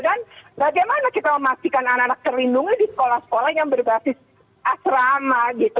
dan bagaimana kita memastikan anak anak terlindungi di sekolah sekolah yang berbasis asrama gitu